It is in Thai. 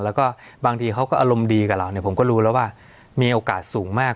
แล้วก็บางทีเขาก็อารมณ์ดีกับเราเนี่ยผมก็รู้แล้วว่ามีโอกาสสูงมาก